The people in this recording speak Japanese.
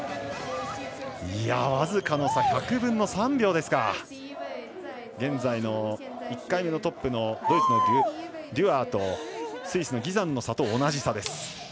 僅かの差、１００分の３秒ですか。現在の１回目のトップのドイツのデュアーとスイスのギザンの差と同じです。